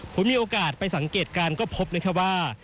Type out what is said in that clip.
ผมมีโอกาสไปสังเกตการณ์ก็พบนะครับว่า